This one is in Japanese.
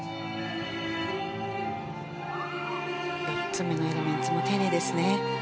４つ目のエレメンツもきれいですね。